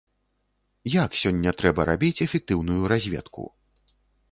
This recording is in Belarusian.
Як сёння трэба рабіць эфектыўную разведку?